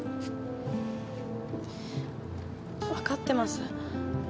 分かってます。